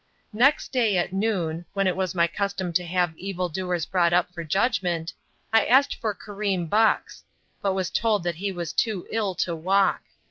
Next day at noon when it was my custom to have evil doers brought up for judgment I asked for Karim Bux, but was told that he was too ill to walk.